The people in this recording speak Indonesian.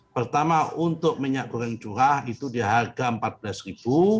pertama untuk minyak goreng curah itu di harga rp empat belas